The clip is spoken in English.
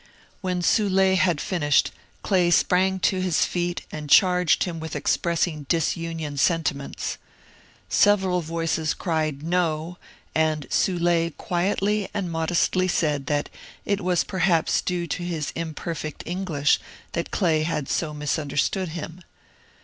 When Soul^ had finished Clay sprang to his feet and charged him with expressing disunion sentiments. Several voices cried ^ No," and Soul^ quietly and modestly said that it was perhaps due to his imperfect English that Clay had so misunderstood him.